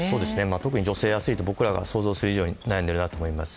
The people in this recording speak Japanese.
特に女性アスリートは僕が想像する以上に悩んでいると思います。